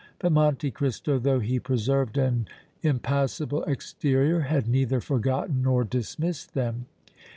But Monte Cristo, though he preserved an impassible exterior, had neither forgotten nor dismissed them.